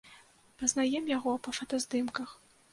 Пазнаем яго па фотаздымках.